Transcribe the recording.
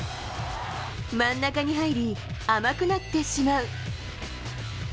真ん中に入り、甘くなってしまう。